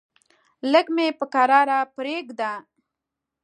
لږ مې په کرار پرېږده!